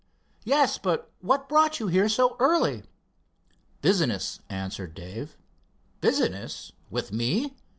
"Yes, but what brought you here so early?" "Business," answered Dave. "Business with me?"